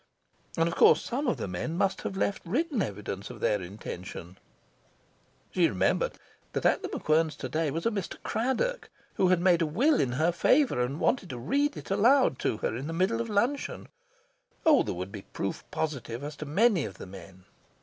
And of course some of the men must have left written evidence of their intention. She remembered that at The MacQuern's to day was a Mr. Craddock, who had made a will in her favour and wanted to read it aloud to her in the middle of luncheon. Oh, there would be proof positive as to many of the men.